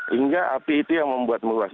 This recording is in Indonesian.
hingga api itu yang membuat meluas